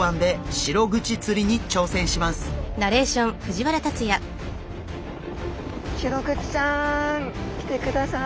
シログチちゃんきてください！